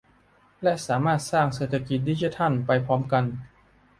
และสามารถสร้างเศรษฐกิจดิจิทัลไปพร้อมกัน